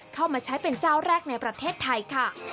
เข้ามาใช้เป็นเจ้าแรกในประเทศไทยค่ะ